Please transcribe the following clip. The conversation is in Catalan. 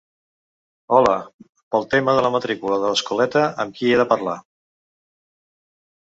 Hola, pel tema de la matrícula de l'escoleta amb qui he de parlar?